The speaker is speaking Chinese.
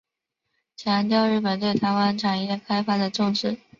强调日本对台湾产业开发的重视。